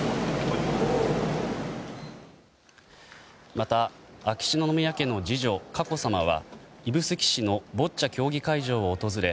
また秋篠宮家の次女・佳子さまは指宿市のボッチャ競技会場を訪れ